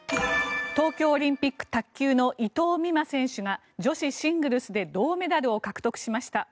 東京オリンピック卓球の伊藤美誠選手が女子シングルスで銅メダルを獲得しました。